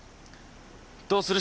どうする？